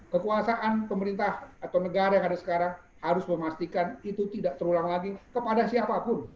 kekuasaan pemerintah atau negara yang ada sekarang harus memastikan itu tidak terulang lagi kepada siapapun